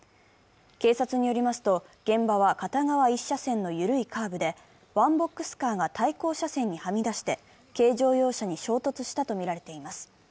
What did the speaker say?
警察によりますと、現場は片側１車線の緩いカーブでワンボックスカーが対向車線にはみ出して軽乗用車に衝突したとみられています。